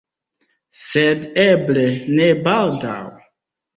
Sed eble, ne baldaŭ.